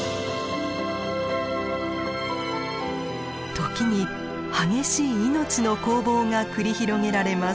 時に激しい命の攻防が繰り広げられます。